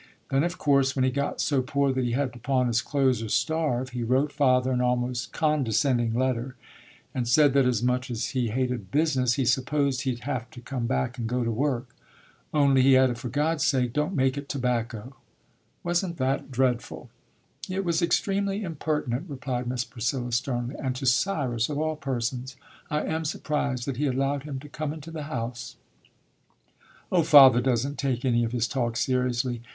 "Then, of course, when he got so poor that he had to pawn his clothes or starve, he wrote father an almost condescending letter and said that as much as he hated business, he supposed he'd have to come back and go to work. 'Only,' he added, 'for God's sake, don't make it tobacco!' Wasn't that dreadful?" "It was extremely impertinent," replied Miss Priscilla sternly, "and to Cyrus of all persons! I am surprised that he allowed him to come into the house." "Oh, father doesn't take any of his talk seriously.